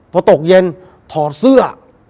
พอตกเย็นถอดเสื้อ